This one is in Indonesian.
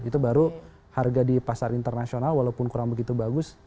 itu baru harga di pasar internasional walaupun kurang begitu bagus